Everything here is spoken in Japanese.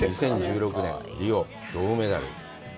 ２０１６年、リオ、銅メダル。